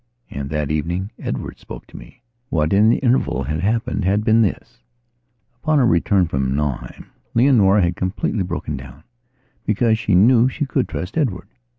And that evening Edward spoke to me. What in the interval had happened had been this: Upon her return from Nauheim Leonora had completely broken downbecause she knew she could trust Edward.